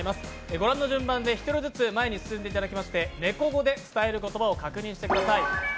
ご覧の順番で１人ずつ前に進んでいただきまして、ネコ語で伝える言葉を確認してください。